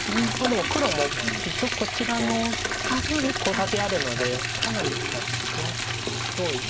でも黒も一応こちらのコウ立てあるのでかなり際どいです。